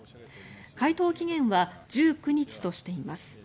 回答期限は１９日としています。